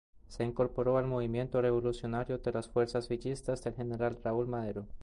Se incorporó al movimiento revolucionario en las fuerzas villistas del general Raúl Madero.